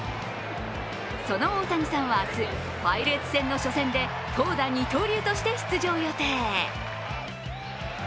その大谷さんは明日、パイレーツ戦の初戦で投打二刀流として出場予定。